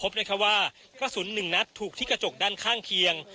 ว่ากระสุน๑นัดถูกที่กระจกด้านข้างเคียง